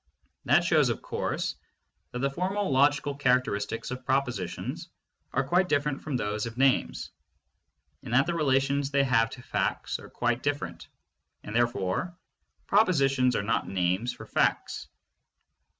That shows, of course, that the formal logical characteristics of propositions are quite different from those of names, and that the relations they have to facts are quite different, and therefore propositions are not names for facts.